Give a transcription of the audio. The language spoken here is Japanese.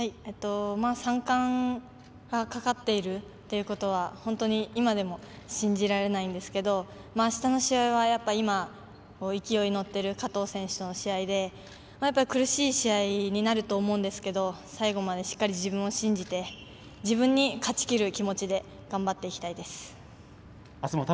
３冠がかかっているということは本当に今でも信じられないんですけどあしたの試合は今、勢いに乗っている加藤選手との試合で苦しい試合になると思うんですけど最後までしっかり自分を信じて自分に勝ちきる気持ちで頑張っていきたいです。